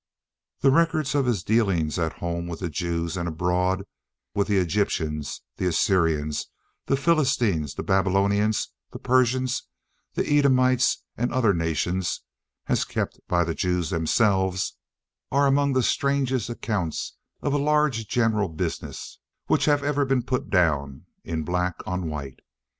The records of his dealings at home with the Jews, and abroad with the Egyptians, the Assyrians, the Philistines, the Babylonians, the Persians, the Edomites, and other nations, as kept by the Jews themselves, are among the strangest accounts of a large general business which have ever been put down in black on white.